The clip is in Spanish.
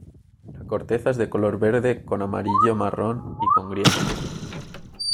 La corteza es de color verde con amarillo-marrón y con grietas.